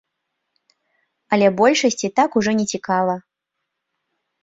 Але большасці так ужо не цікава.